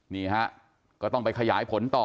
นี่ฮะก็ต้องไปขยายผลต่อ